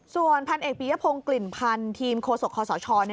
ส่วนพันเอกปียพงศ์กลิ่นพันธ์ทีมโคศกคอสช